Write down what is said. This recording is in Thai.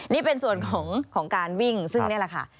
นี่เป็นส่วนของการวิ่งซึ่งนี่แหละค่ะ